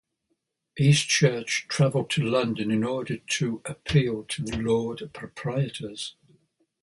Eastchurch traveled to London in order "to appeal to the Lords Proprietors".